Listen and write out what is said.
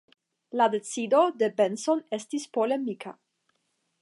La decido de Benson estis polemika.